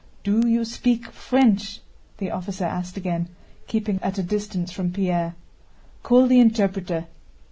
"Do you speak French?" the officer asked again, keeping at a distance from Pierre. "Call the interpreter."